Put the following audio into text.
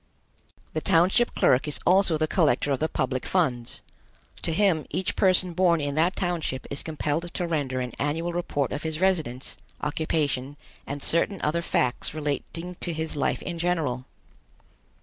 The township clerk is also the collector of the public funds. To him each person born in that township is compelled to render an annual report of his residence, occupation, and certain other facts relating to his life in general.